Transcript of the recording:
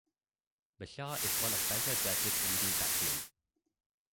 Bashar is one of Bangladesh's leading batsmen.